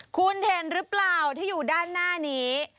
คุณเห็นหรือเปล่าที่อยู่ด้านหน้านี้